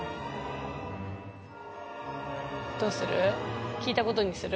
どうする？